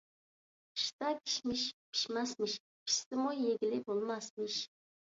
قىشتا كىشمىش پىشماسمىش، پىشسىمۇ يېگىلى بولماسمىش.